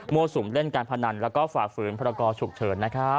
มั่วสุมเล่นการพนันแล้วก็ฝากฝืนพรกชุกเฉินนะครับ